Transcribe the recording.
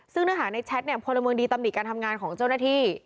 ซึ่งเนื้อหาในแชทเนี่ยพลเมืองดีตำหนิการทำงานของเจ้าหน้าที่